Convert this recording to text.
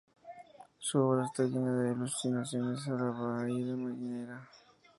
Su obra está llena de alusiones a la vida marinera.